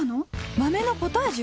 豆のポタージュ！？